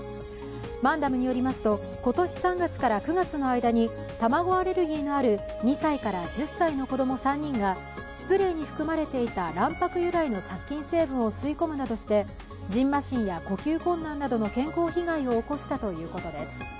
マンダムによりますと、今年３月から９月の間に卵アレルギーのある２歳から１０歳の子供３人が、スプレーに含まれていた卵白由来の殺菌成分を吸い込むなどしてじんましんや呼吸困難などの健康被害を起こしたということです。